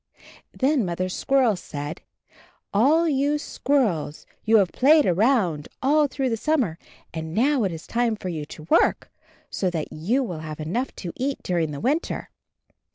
Then Mother Squirrel said, "All you squirrels, you have played around all through the sum mer and now it is time for you to work, so that you will have enough to eat during the winter."